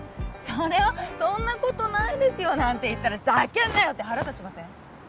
それを「そんな事ないですよ」なんて言ったら「ざけんなよ！」って腹立ちません？